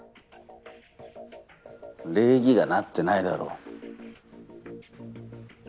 礼儀がなってないだろ。